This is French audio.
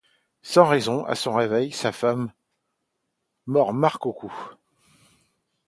Sans raison, à son réveil, cette femme mord Mark au cou.